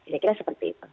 saya kira seperti itu